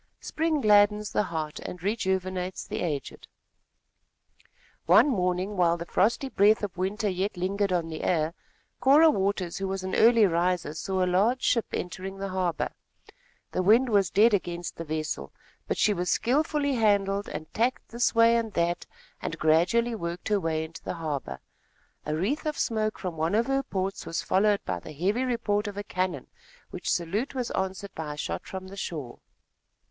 Spring gladdens the heart and rejuvenates the aged. One morning, while the frosty breath of winter yet lingered on the air, Cora Waters, who was an early riser, saw a large ship entering the harbor. The wind was dead against the vessel; but she was skillfully handled and tacked this way and that and gradually worked her way into the harbor. A wreath of smoke from one of her ports was followed by the heavy report of a cannon, which salute was answered by a shot from the shore.